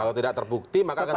kalau tidak terbukti maka akan